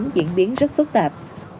diễn biến rất phức tạp